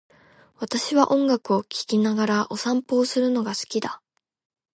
私は音楽を聴きながらお散歩をするのが好きだ。